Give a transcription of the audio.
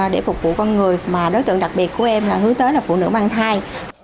để phục vụ con người mà đối tượng đặc biệt của em là hướng tới là phụ nữ mang thai